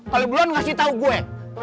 kalau belum kasih tau gue